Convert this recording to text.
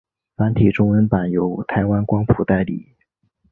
繁体中文版由台湾光谱代理。